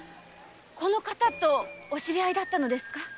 この方とお知り合いだったのですか？